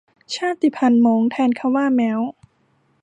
ชาติพันธุ์ม้ง แทนคำว่าแม้ว